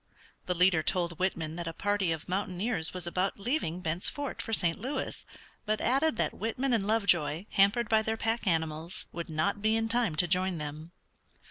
The leader told Whitman that a party of mountaineers was about leaving Bent's Fort for St. Louis, but added that Whitman and Lovejoy, hampered by their pack animals, would not be in time to join them.